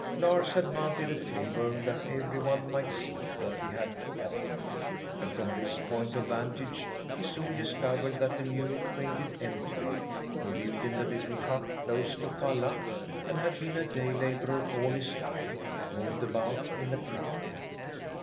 Lars had mounted a table, that every one might see what he had to offer, and from this point of vantage he soon discovered that the newly created emperor, who lived in the little hut close to Falla and had been a day labourer all his life, moved about in the crowd.